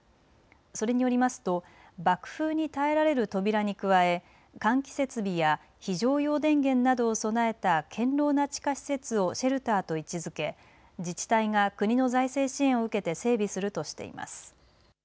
それによりますと爆風に耐えられる扉に加え、換気設備や非常用電源などを備えた堅ろうな地下施設をシェルターと位置づけ自治体が国の財政支援を受けて整備するとしています。